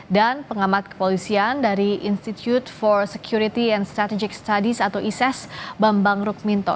dan pengamat kepolisian dari institute for security and strategic studies atau iss bambang rukminto